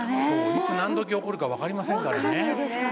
いつ何時起こるかわかりませんからね。